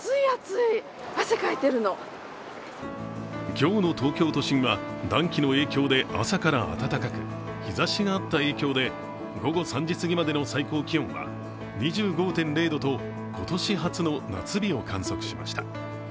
今日の東京都心は暖気の影響で朝から暖かく日ざしがあった影響で午後３時すぎまでの最高気温は２５．０度と今年初の夏日を観測しました。